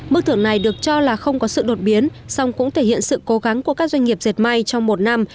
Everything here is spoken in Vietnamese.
mức thưởng này được cho là không có sự đột biến song cũng thể hiện sự cố gắng của các doanh nghiệp dệt may trong một năm